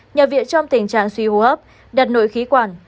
nhập viện trong tình trạng suy hô hấp đặt nội khí quản